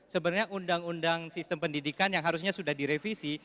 sebenarnya undang undang sistem pendidikan yang harusnya sudah direvisi